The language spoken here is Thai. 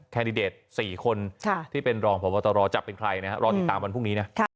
แดดิเดต๔คนที่เป็นรองพบตรจะเป็นใครนะรอติดตามวันพรุ่งนี้นะ